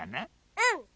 うん！